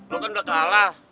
lu kan udah kalah